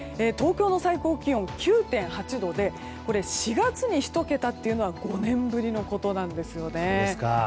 東京の最高気温、９．８度で４月に１桁は５年ぶりのことなんですね。